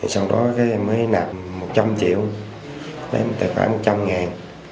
sau đó mới nạp một trăm linh triệu tài khoản một trăm linh ngàn